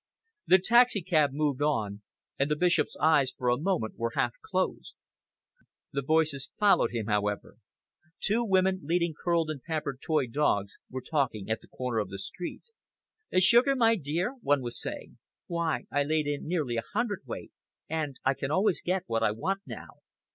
The taxicab moved on, and the Bishop's eyes for a moment were half closed. The voices followed him, however. Two women, leading curled and pampered toy dogs, were talking at the corner of the street. "Sugar, my dear?" one was saying. "Why, I laid in nearly a hundredweight, and I can always get what I want now.